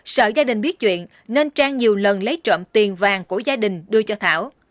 sợ gia đình biết chuyện nên trang nhiều lần lấy trộm tiền vàng của gia đình đưa cho thảo